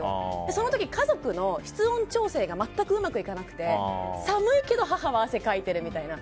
その時、家族の室温調整が全くうまくいかなくて寒いけど母は汗かいてるみたいな。